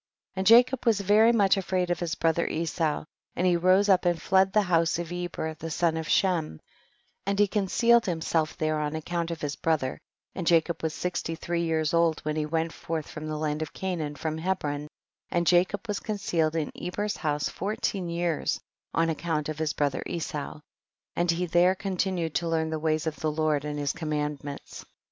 11. And Jacob was very much afraid of his brother Esau, and he rose up and fled to the house of Eber the son of Shcm, and he concccded 6 Itimself there on account of hi» brother, and Jacob was sixty three years old when he went forth from the land of Canaan from Hebron, and Jacob was concealed in Ebcr's house fourteen years on account of his brother Esau, and he there coiuinued to learn the ways of the Lord and his commandments.